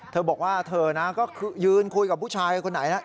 เธอบอกว่าเธอนะก็คือยืนคุยกับผู้ชายคนไหนนะ